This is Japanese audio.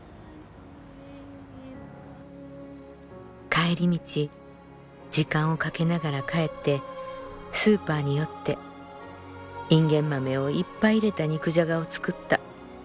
「帰り道時間をかけながら帰ってスーパーに寄ってインゲン豆をいっぱい入れた肉じゃがを作った。